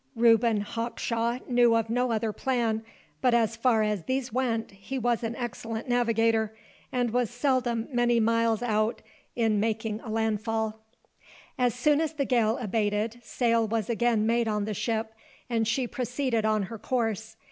Reuben Hawkshaw knew of no other plan, but as far as these went he was an excellent navigator, and was seldom many miles out in making a landfall. As soon as the gale abated, sail was again made on the ship, and she proceeded on her course.